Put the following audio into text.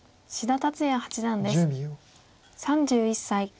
３１歳。